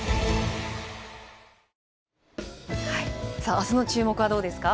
あすの注目はどうですか。